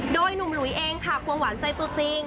โดยหนุ่มหลุยเองค่ะควงหวานใจตัวจริง